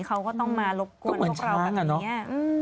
เขาก็ต้องมารบกวนพวกเราแบบนี้